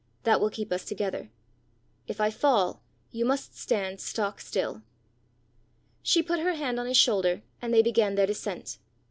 "That will keep us together. If I fall, you must stand stock still." She put her hand on his shoulder, and they began their descent.